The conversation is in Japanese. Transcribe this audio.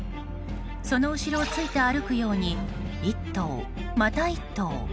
その後ろをついて歩くように１頭、また１頭。